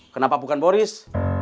kenapa bukan boris